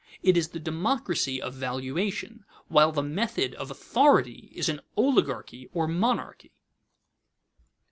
It is the democracy of valuation, while the method of authority is an oligarchy or monarchy.